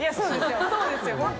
そうですよ